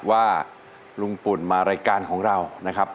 ว่าลุงปุ่นมารายการของเรานะครับ